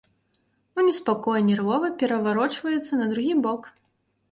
У неспакоі нервова пераварочваецца на другі бок.